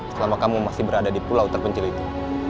selama kamu masih berada di pulau terpencil itu